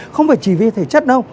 không phải chỉ vì thể chất đâu